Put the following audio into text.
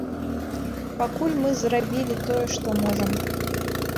Пакуль мы зрабілі тое, што можам.